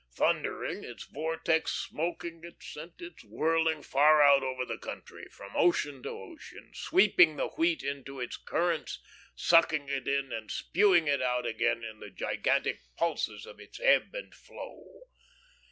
Thundering, its vortex smoking, it sent its whirling far out over the country, from ocean to ocean, sweeping the wheat into its currents, sucking it in, and spewing it out again in the gigantic pulses of its ebb and flow.